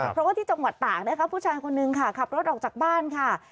เพราะว่าที่จังหวะตากนะครับภูชายคนนึงขับรถออกจากบ้านครับ